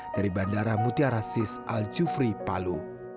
dari bandara mutiarasis al jufri palu